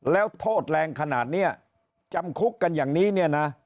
แล้วโทษแรงขนาดนี้จำคุกกันอย่างนี้เนี่ยนะ